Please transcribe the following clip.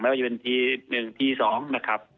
ไม่ว่าจะเป็นที๑ที๒นะครับ